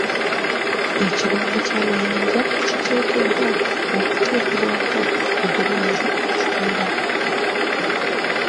Ekirombe ky'amayinja kiteekeddwa okuteekebwako obulungi ekikomera.